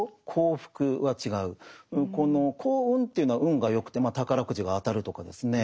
この幸運というのは運がよくてまあ宝くじが当たるとかですね。